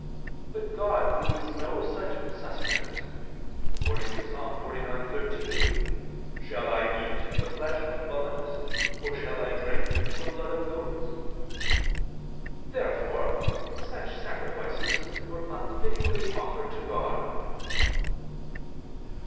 But God needs no such sustenance; according to Ps. 49:13: "Shall I eat the flesh of bullocks? Or shall I drink the blood of goats?" Therefore such sacrifices were unfittingly offered to God.